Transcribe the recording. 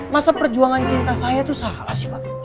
masa perjuangan cinta saya itu salah sih pak